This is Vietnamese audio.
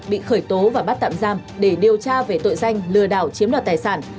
bị khởi tố và bắt tạm giam để điều tra về tội danh lừa đảo chiếm đoạt tài sản